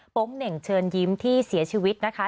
เหน่งเชิญยิ้มที่เสียชีวิตนะคะ